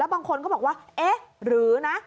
บางคนก็บอกว่าเอ๊ะหรือนะ